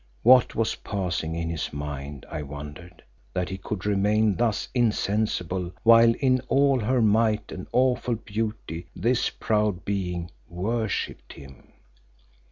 What was passing in his mind, I wondered, that he could remain thus insensible while in all her might and awful beauty this proud being worshipped him.